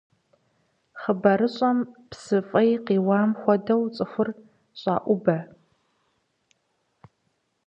Хъыбарыщӏэхэм псы фӏей къиуам хуэдэу цӏыхур щӏаӏубэ.